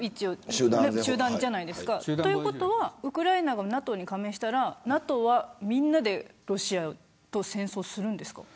集団じゃないですかということはウクライナがＮＡＴＯに加盟したらＮＡＴＯはみんなでロシアと戦争するんですか。